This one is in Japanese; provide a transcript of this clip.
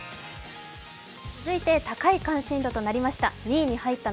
続いて高い関心度となりました。